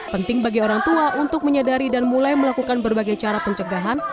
penting bagi orang tua untuk menyadari dan mulai melakukan berbagai cara pencegahan